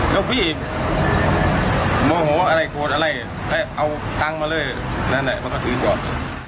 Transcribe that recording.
แล้วพี่โมโหอะไรโกรธอะไรเอาตังค์มาเลยนั่นแหละมันก็ถือก่อน